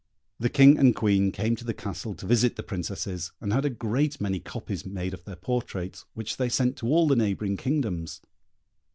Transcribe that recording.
The King and Queen came to the Castle to visit the Princesses, and had a great many copies made of their portraits, which they sent to all the neighbouring kingdoms.